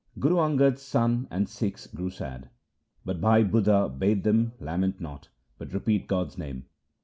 Guru Angad's sons and Sikhs grew sad, but Bhai Budha bade them lament not, but repeat God's name.